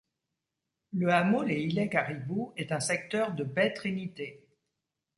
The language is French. Le hameau Les Islets-Caribou est un secteur de Baie-Trinité.